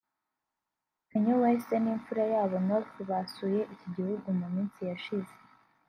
Kanye West n’impfura yabo North basuye iki gihugu mu minsi yashize